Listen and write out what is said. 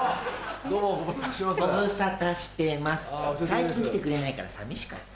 最近来てくれないから寂しかった。